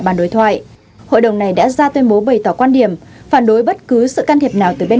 bàn đối thoại hội đồng này đã ra tuyên bố bày tỏ quan điểm phản đối bất cứ sự can thiệp nào từ bên